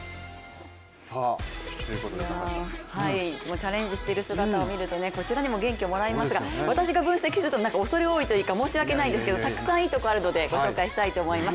チャレンジしている姿を見ると、こちらにも元気をもらいますが私が分析するとなんか恐れ多いというか申し訳ないんですけどたくさんいいところあるのでご紹介したいと思います。